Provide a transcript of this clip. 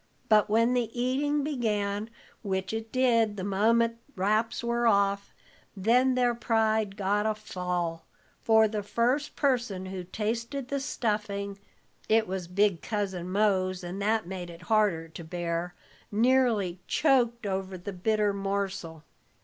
But when the eating began, which it did the moment wraps were off, then their pride got a fall; for the first person who tasted the stuffing (it was big Cousin Mose, and that made it harder to bear) nearly choked over the bitter morsel.